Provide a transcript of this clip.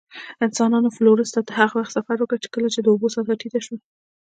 انسانانو فلورس ته هغه وخت سفر وکړ، کله چې د اوبو سطحه ټیټه شوه.